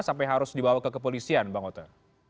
sampai harus dibawa ke kepolisian bang ott